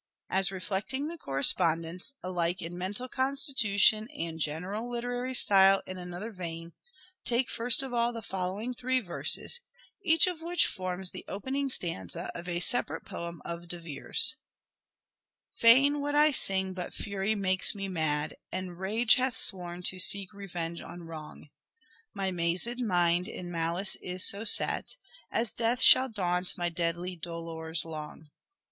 As reflecting the correspondence, alike in mental constitution and general literary style in another vein, take first of all the following three verses, each of which forms the opening stanza of a separate poem of De Vere's :—" Fain would I sing but fury makes me mad, And rage hath sworn to seek revenge on wrong. My mazed mind in malice is so set As death shall daunt my deadly dolours long.